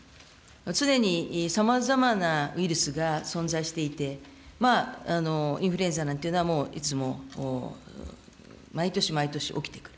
常にさまざまなウイルスが存在していて、インフルエンザなんていうのはもういつも毎年毎年起きている。